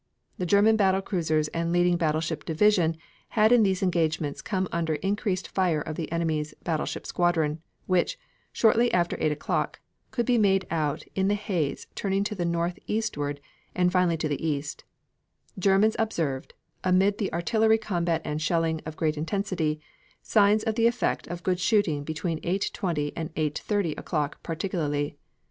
The German battle cruisers and leading battleship division had in these engagements come under increased fire of the enemy's battleship squadron, which, shortly after 8 o'clock, could be made out in the haze turning to the north eastward and finally to the east, Germans observed, amid the artillery combat and shelling of great intensity, signs of the effect of good shooting between 8.20 and 8.30 o'clock particularly.